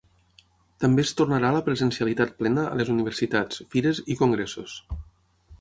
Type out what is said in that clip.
També es tornarà a la presencialitat plena a les universitats, fires i congressos.